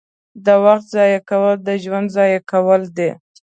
• د وخت ضایع کول د ژوند ضایع کول دي.